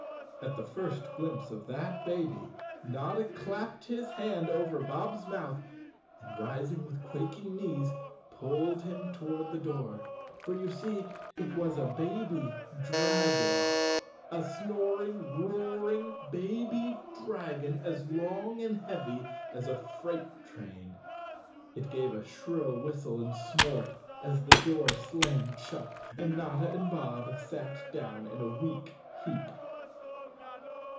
At the first glimpse of that baby, Notta clapped his hand over Bob's mouth and, rising with quaking knees, pulled him toward the door. For you see it was a baby dragon—a snoring, roaring baby dragon as long and heavy as a freight train. It gave a shrill whistle and snort as the door slammed shut and Notta and Bob sat down in a weak heap.